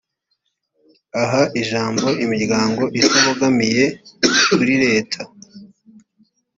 aha ijambo imiryango itabogamiye kuri leta